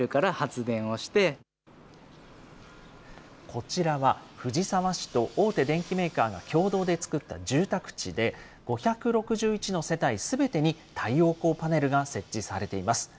こちらは藤沢市と大手電機メーカーが共同で作った住宅地で、５６１の世帯すべてに太陽光パネルが設置されています。